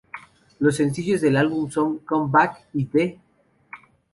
Los sencillos del álbum son "Come Back" y "The".